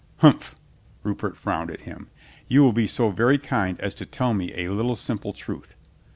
"Humph !" Rupert frowned at him. "You will be so very kind as to tell me a little simple truth."